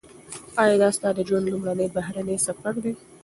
ایا دا ستا د ژوند لومړنی بهرنی سفر دی؟